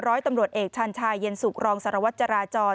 ร้อยตำรวจเอกชันชายเย็นสุขรองสารวัตรจราจร